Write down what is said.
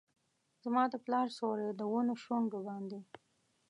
زما د پلار سیوري ، د ونو شونډو باندې